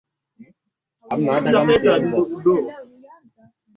na nne alikuwa Josef Stalin aliyeweza kugeuza utawala wa chama kuwa utawala wake mwenyewe